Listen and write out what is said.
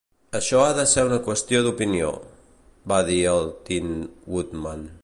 "Això ha de ser una qüestió d'opinió" va dir el Tin Woodman.